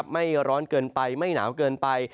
ไม่ร้อนเกินไปไม่หนาวเกินไป